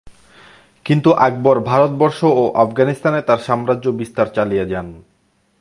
কিন্তু আকবর ভারতবর্ষ ও আফগানিস্তানে তার সাম্রাজ্য বিস্তার চালিয়ে যান।